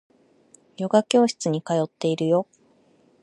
ヨガ教室に通っているよ